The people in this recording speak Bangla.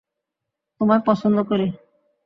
তোমায় পছন্দ করি।